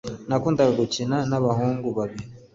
Nakundaga gukina nabahungu babiri.